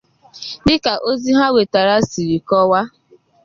dịka ozi ha nwetara siri kọwaa